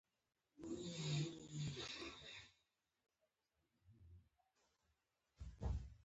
په جنوبي ایالتونو کې بدلون د فدرالي دولت له لوري پیل شول.